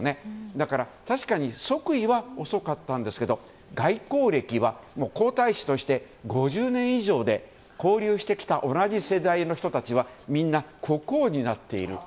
だから確かに即位は遅かったんですけど外交歴は皇太子として５０年以上で交流してきた同じ世代の人たちはみんな国王になっている。